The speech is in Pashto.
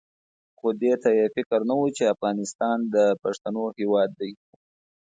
خو دې ته یې فکر نه وو چې افغانستان د پښتنو هېواد دی.